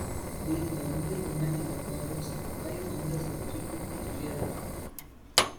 Being the only women in the college, the five founders were frequently together.